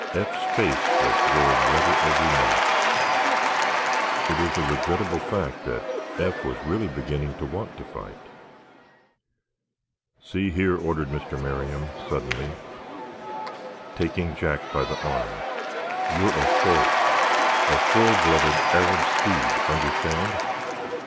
Eph's face was growing redder every minute. It is a regrettable fact that Eph was really beginning to want to fight. "See here," ordered Mr. Merriam, suddenly, taking Jack by the arm, "you're a horse, a full blooded Arab steed—understand!"